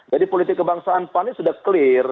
jadi politik kebangsaan pan ini sudah clear